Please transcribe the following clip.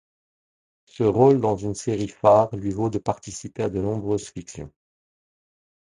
Ce rôle dans une série phare lui vaut de participer à de nombreuses fictions.